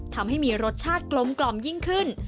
ทำให้มีรสชาติกลมกล่อมยิ่งขึ้น